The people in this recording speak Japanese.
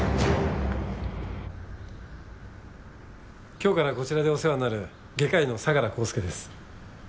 今日からこちらでお世話になる外科医の相良浩介です。